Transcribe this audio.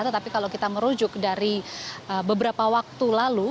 tetapi kalau kita merujuk dari beberapa waktu lalu